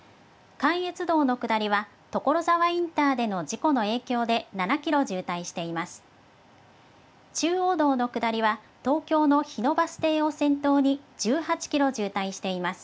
関越道の下りは、所沢インターでの事故の影響で、７キロ渋滞しています。